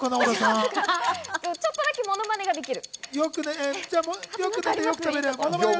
ちょっとだけものまねができる。